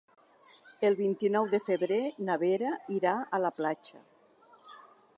El vint-i-nou de febrer na Vera irà a la platja.